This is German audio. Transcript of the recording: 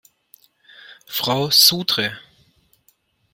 Frau Sudre!